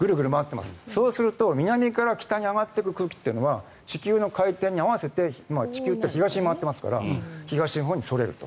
そうすると南から北に上がっていく空気というのは地球の回転に合わせて地球って東に回ってますから東のほうにそれると。